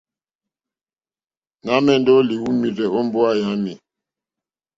Nà ma ɛndɛ o lùumirzɛ̀ o mbowa yami.